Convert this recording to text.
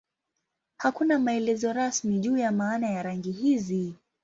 Hakuna maelezo rasmi juu ya maana ya rangi hizi.